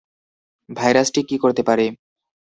ভাইরাসটি কি করতে পারে?